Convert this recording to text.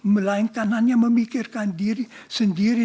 melainkan hanya memikirkan diri sendiri